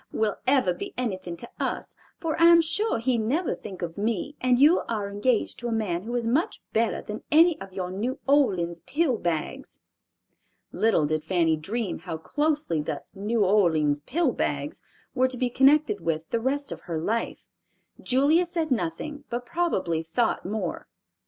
—will ever be anything to us, for I am sure he'd never think of me, and you are engaged to a man who is much better than any of your New Orleans pill bags." Little did Fanny dream how closely the "New Orleans pill bags" were to be connected with the rest of her life. Julia said nothing but probably thought more.